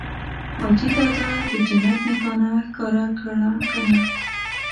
حاجي دادا د جنت نښانه ښکاره کړه که نه؟